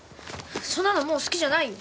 そんなのもう好きじゃないよ。